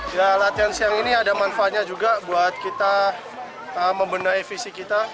ya latihan siang ini ada manfaatnya juga buat kita membenahi visi kita